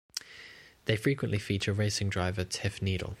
They frequently feature racing driver Tiff Needell.